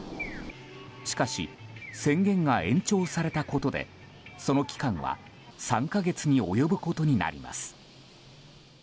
しかし、宣言が延長されたことでその期間は３か月に及ぶことになります。